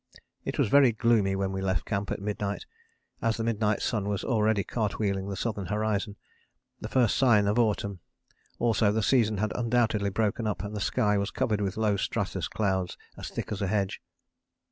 It was very gloomy when we left camp at midnight, as the midnight sun was already cartwheeling the southern horizon, the first sign of autumn, also the season had undoubtedly broken up, and the sky was covered with low stratus clouds as thick as a hedge.